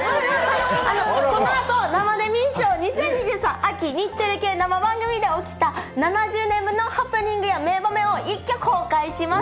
このあと生デミー賞２０２３秋、日テレ系生番組で起きた７０年分のハプニングや名場面を一挙公開します。